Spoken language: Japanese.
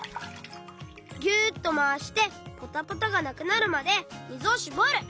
ぎゅっとまわしてポタポタがなくなるまでみずをしぼる！